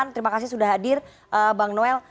terima kasih sudah hadir bang noel